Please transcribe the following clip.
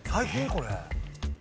これ。